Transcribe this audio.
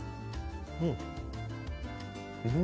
うん。